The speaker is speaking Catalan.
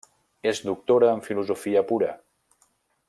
És doctora en filosofia pura.